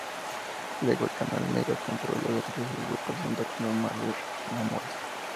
Luego, el Canal Mega, compró los Derechos y la presentó como "Mar de Amores"